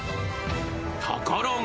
ところが